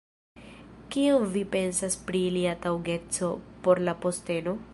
Kion vi pensas pri ilia taŭgeco por la posteno?